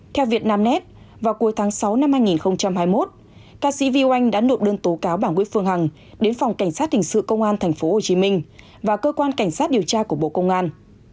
theo việt nam nét vào cuối tháng sáu năm hai nghìn hai mươi một ca sĩ viu anh đã nộp đơn tố cáo bà nguyễn phương hằng đến phòng cảnh sát hình sự công an tp hcm và cơ quan cảnh sát điều tra của bộ công an